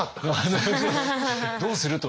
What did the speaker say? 「どうする」とは。